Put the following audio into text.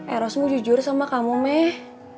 eros mu jujur sama kamu meh